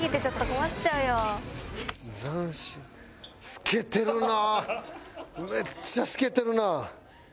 めっちゃ透けてるな。